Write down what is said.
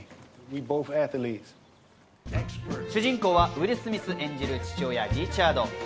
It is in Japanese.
主人公はウィル・スミス演じる父親・リチャード。